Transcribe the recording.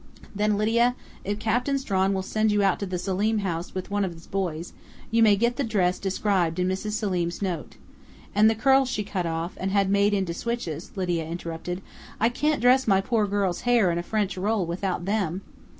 "Then, Lydia, if Captain Strawn will send you out to the Selim house with one of his boys, you may get the dress described in Mrs. Selim's note " "And the curls she cut off and had made into switches," Lydia interrupted. "I can't dress my poor girl's hair in a French roll without them!"